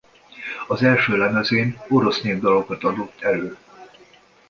Az első lemezén orosz népdalokat adott elő.